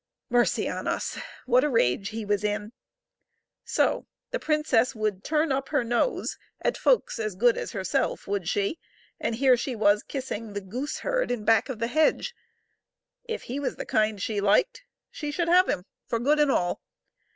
Mercy on us ! what a rage he was in ! So ; the princess would turn up her nose at folks as good as herself, would she ? And here she was kissing the gooseherd back of the hedge. If he was the kind she liked she should have him for good and all.